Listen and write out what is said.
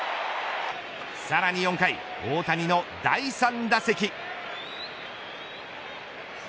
さらに４回、大谷の第３打席。